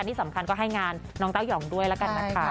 ที่สำคัญก็ให้งานน้องเต้ายองด้วยแล้วกันนะคะ